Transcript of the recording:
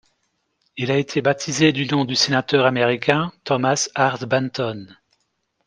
Il a été baptisé du nom du sénateur américain Thomas Hart Benton.